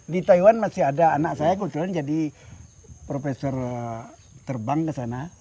di taiwan masih ada anak saya kebetulan jadi profesor terbang ke sana